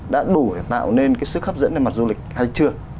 đã đủ để tạo nên cái sức hấp dẫn lên mặt du lịch hay chưa